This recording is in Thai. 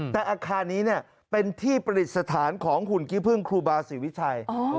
แต่อาคารนี้เป็นที่ประดิษฐานของหุ่นขี้พึ่งครูบาศรีวิชัย